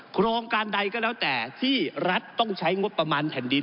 โครงการใดก็แล้วแต่ที่รัฐต้องใช้งบประมาณแผ่นดิน